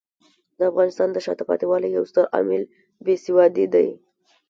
د افغانستان د شاته پاتې والي یو ستر عامل بې سوادي دی.